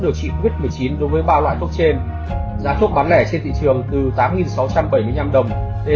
điều trị covid một mươi chín đối với ba loại thuốc trên giá thuốc bán lẻ trên thị trường từ tám đồng